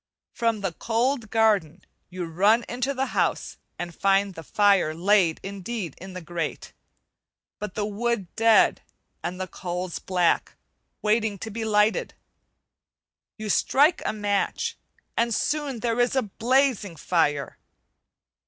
From the cold garden, you run into the house, and find the fire laid indeed in the grate, but the wood dead and the coals black, waiting to be lighted. You strike a match, and soon there is a blazing fire.